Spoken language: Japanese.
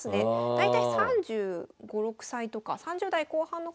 大体３５３６歳とか３０代後半の方と。